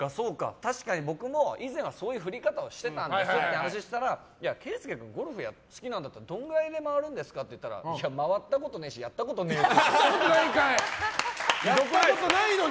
確かに僕も以前はそういう振り方をしてたんですって話をしていたら圭佑さんもゴルフが好きならどれぐらいで回るんですか？って聞いたら回ったことねえしやったことねえよって。